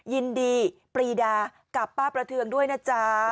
ยินดีปรีดากับป้าประเทืองด้วยนะจ๊ะ